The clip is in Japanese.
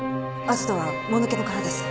アジトはもぬけの殻です。